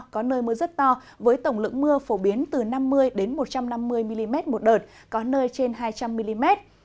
có nơi mưa rất to với tổng lượng mưa phổ biến từ năm mươi một trăm năm mươi mm một đợt có nơi trên hai trăm linh mm